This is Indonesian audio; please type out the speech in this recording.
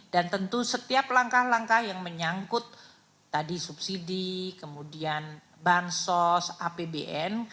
dan tentu setiap langkah langkah yang menyangkut tadi subsidi kemudian bansos apbn